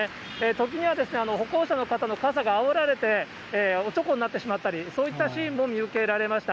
ときには、歩行者の方の傘があおられて、おちょこになってしまったり、そういったシーンも見受けられました。